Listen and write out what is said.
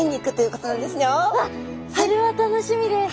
わっそれは楽しみです。